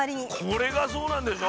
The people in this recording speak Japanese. これがそうなんでしょ？